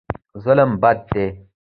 ظلم بد دی.